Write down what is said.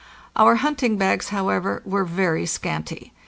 Our hunting bags, however, were very scanty.